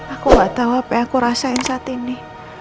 aku gak tahu apa yang aku rasain saat ini